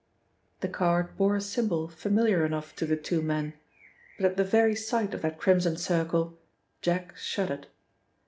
The card bore a symbol familiar enough to the two men, but at the very sight of that Crimson Circle, Jack shuddered.